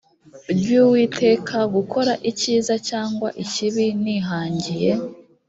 ry uwiteka gukora icyiza cyangwa ikibi nihangiye